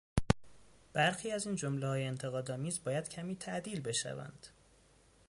برخی از این جملههای انتقاد آمیز باید کمی تعدیل بشوند.